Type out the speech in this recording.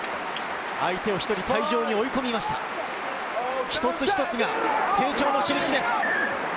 相手を１人退場に追い込みました、一つ一つが成長の印です。